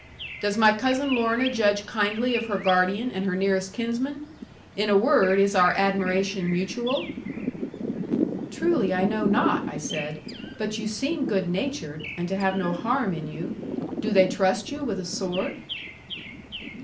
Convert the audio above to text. "Does my Cousin Lorna judge kindly of her guardian, and her nearest kinsman? In a word, is our admiration mutual?" '"Truly I know not," I said; "but you seem good natured, and to have no harm in you. Do they trust you with a sword?"